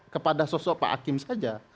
kepada sosok pak hakim saja